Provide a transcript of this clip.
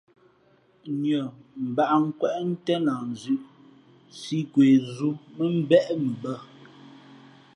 Nʉᾱ mbǎʼnkwéʼ ntén lah nzʉ̄ʼ sī nkwe zū mά mbéʼ mʉ bᾱ.